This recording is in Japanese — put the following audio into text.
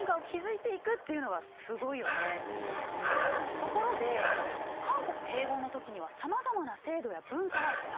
ところで韓国併合の時にはさまざまな制度や文化が伝わったの。